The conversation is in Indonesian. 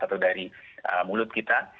atau dari mulut kita